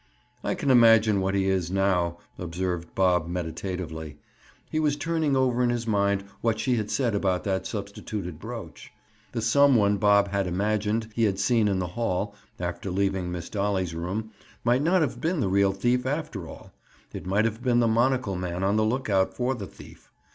"I can imagine what he is—now," observed Bob meditatively. He was turning over in his mind what she had said about that substituted brooch. The some one Bob had imagined he had seen in the hall, after leaving Miss Dolly's room, might not have been the real thief, after all; it might have been the monocle man on the lookout for the thief.